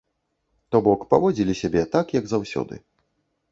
То бок, паводзілі сябе так, як заўсёды.